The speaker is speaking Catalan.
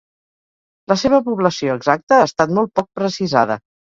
La seva població exacta ha estat molt poc precisada.